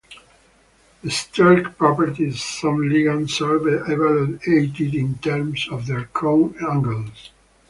The steric properties of some ligands are evaluated in terms of their cone angles.